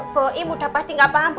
bu im udah pasti gak paham